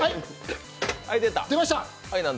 出ました。